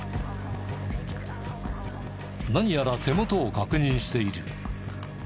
何やら手元を確認している。